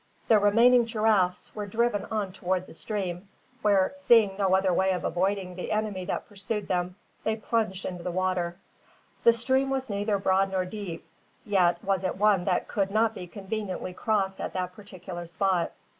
The remaining giraffes were driven on toward the stream, where, seeing no other way of avoiding the enemy that pursued them, they plunged into the water. The stream was neither broad nor deep, yet was it one that could not be conveniently crossed at that particular spot.